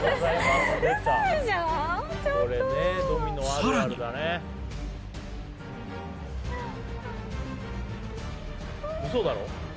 さらにウソだろ？